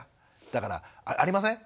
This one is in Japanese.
だからありません？